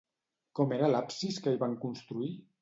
Com era l'absis que hi van construir?